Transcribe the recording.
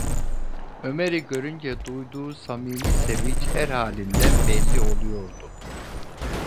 Ömer’i görünce duyduğu samimi sevinç her halinden belli oluyordu.